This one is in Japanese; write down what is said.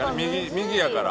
右やから。